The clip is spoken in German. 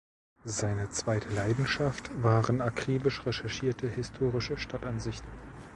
Seine zweite Leidenschaft waren akribisch recherchierte historische Stadtansichten.